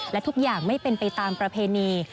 และทุกอย่างไม่เป็นไปตามประเพณี